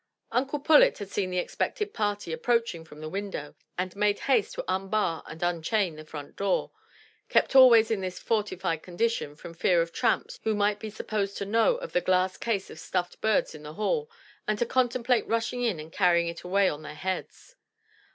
Uncle Pullet had seen the expected party approaching from the window, and made haste to unbar and unchain the front door, kept always in this fortified condition from fear of tramps who might be supposed to know of the glass case of stuffed birds in the hall and to contemplate rushing in and carrying it away on their heads.